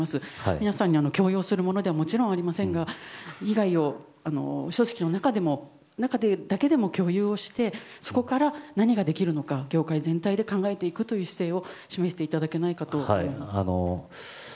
皆さんに強要するものではありませんが被害を組織の中だけでも共有してそこから何ができるのか業界全体で考えていく姿勢を示していただきたいと思います。